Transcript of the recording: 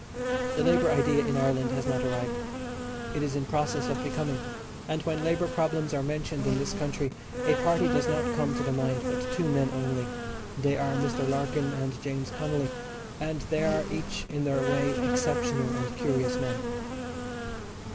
The labour idea in Ireland has not arrived. It is in process of "becoming," and when labour problems are mentioned in this country a party does not come to the mind, but two men only they are Mr. Larkin and James Connolly, and they are each in their way exceptional and curious men.